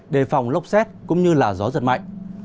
sẽ có nắng nóng lốc xét cũng như là gió giật mạnh